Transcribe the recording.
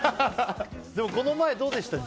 でもこの前どうでした？